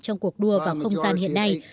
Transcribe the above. trong cuộc đua vào không gian hiện nay